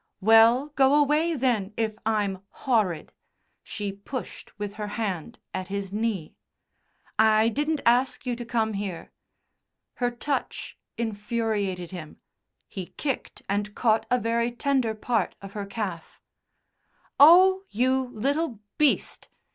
"Well, go away, then, if I'm horrid," she pushed with her hand at his knee. "I didn't ask you to come here." Her touch infuriated him; he kicked and caught a very tender part of her calf. "Oh! You little beast!"